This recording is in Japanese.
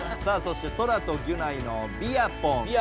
さあそしてソラとギュナイの「ビアポン」。